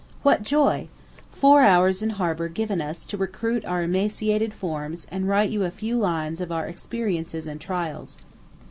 What joy! four hours in harbour given us to recruit our emaciated forms and write you a few lines of our experiences and trials.